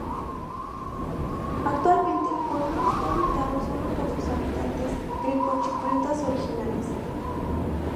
Actualmente el pueblo está habitado sólo por sus habitantes grecochipriotas originales.